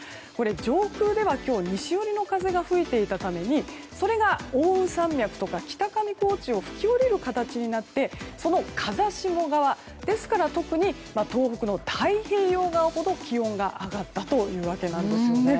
これ上空で西寄りの風が吹いていたためにそれが奥羽山脈とか北上高地を吹き降りる形となってその風下側、ですから特に東北の太平洋側ほど気温が上がったというわけなんです。